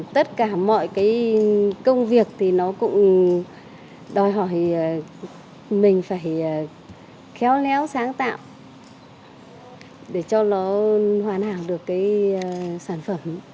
tất cả mọi công việc cũng đòi hỏi mình phải khéo léo sáng tạo để cho nó hoàn hảo được sản phẩm